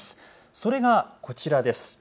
それがこちらです。